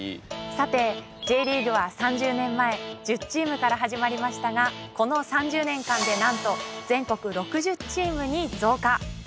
さてＪリーグは３０年前１０チームから始まりましたがこの３０年間でなんと全国６０チームに増加。